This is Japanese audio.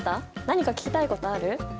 何か聞きたいことある？